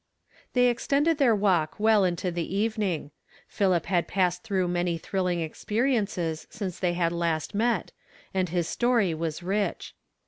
They extended their walk well into the evening, riiilip had passed through many thrilling experi ences since they had lasi met, and his story was rich.